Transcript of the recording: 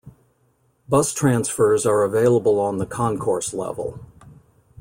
Bus transfers are available on the concourse level.